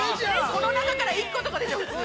◆この中から１個とかですよ、普通。